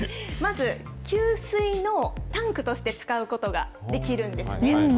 まず給水のタンクとして使うことができるんですね。